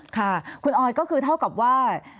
ค่ะคุณออยก็คือเท่ากับว่า